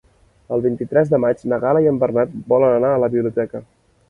El vint-i-tres de maig na Gal·la i en Bernat volen anar a la biblioteca.